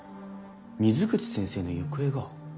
水口先生の行方が。